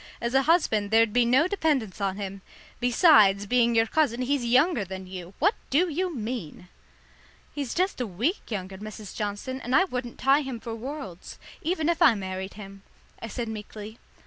As a husband there'd be no dependence on him. Besides being your cousin, he's younger than you. What do you mean?" "He's just a week younger, Mrs. Johnson, and I wouldn't tie him for worlds, even if I married him," I said meekly.